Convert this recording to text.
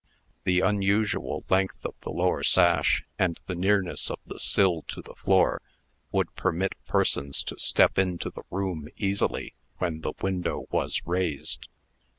The unusual length of the lower sash, and the nearness of the sill to the floor, would permit persons to step into the room easily when the window was raised.